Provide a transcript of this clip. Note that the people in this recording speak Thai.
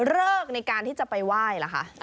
เลิกในการที่จะไปไหว้ล่ะคะ